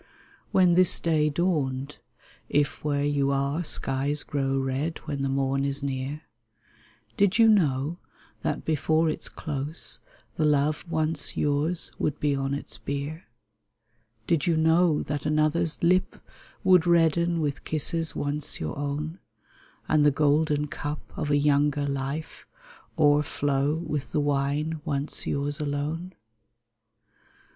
When this day dawned (if where you are Skies grow red when the morn is near) Did you know that before its close The love once yours would be on its bier ? Did you know that another's lip Would redden with kisses once your own, And the golden cup of a younger life O'erflow with the wine once yours alone